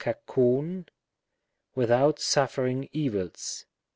ccoVy " without suffering evils."